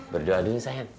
berdoa dulu syahid